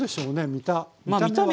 見た目は。